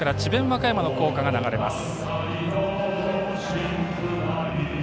和歌山の校歌が流れます。